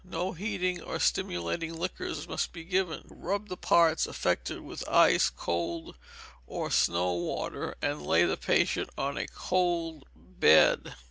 No heating or stimulating liquors must be given. Rub the parts affected with ice, cold, or snow water, and lay the patient on a cold bed.